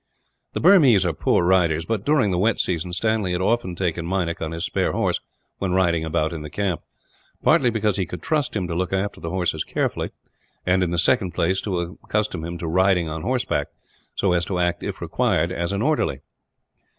The Burmese are poor riders but, during the wet season, Stanley had often taken Meinik, on his spare horse, when riding about in the camp; partly because he could trust him to look after the horses carefully, and in the second place to accustom him to ride on horseback so as to act, if required, as an orderly.